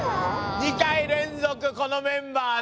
２回連続このメンバーで。